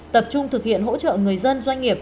tập trung thực hiện hỗ trợ người dân doanh nghiệp